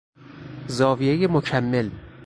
زاویهی مکمل